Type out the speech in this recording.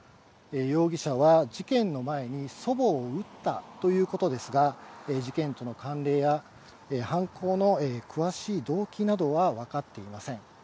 容疑者は、事件の前に祖母を撃ったということですが、事件との関連や犯行の詳しい動機などは分かっていません。